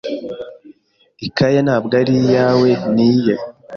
Ikaye ntabwo ari iyawe. Ni iye.